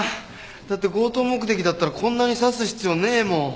だって強盗目的だったらこんなに刺す必要ねえもん。